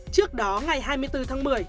trước đó ngày hai mươi bốn tháng một mươi